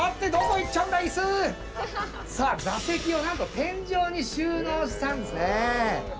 さあ座席をなんと天井に収納したんですね。